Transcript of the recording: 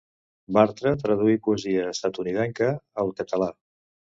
Bartra traduí poesia estatunidenca al català.